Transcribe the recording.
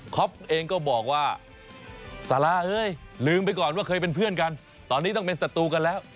เองก็บอกว่าซาร่าเอ้ยลืมไปก่อนว่าเคยเป็นเพื่อนกันตอนนี้ต้องเป็นศัตรูกันแล้ว